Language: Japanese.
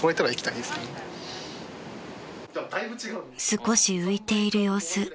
［少し浮いている様子］